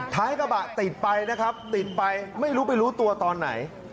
ท้ายกระบะติดไปนะครับติดไปไม่รู้ไปรู้ตัวตอนไหน